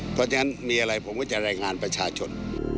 เพราะฉะนั้นมีอะไรผมก็จะรายงานประชาชน